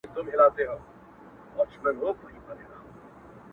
شپې چي مي په صبر سپینولې اوس یې نه لرم -